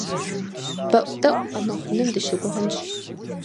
БэӀутӀэӀу къэмыхъуным дыщыгугъынщ.